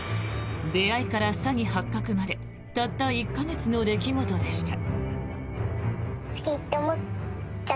出会いから詐欺発覚までたった１か月の出来事でした。